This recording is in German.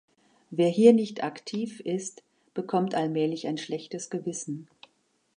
Wer hier nicht aktiv ist, bekommt allmählich ein schlechtes Gewissen.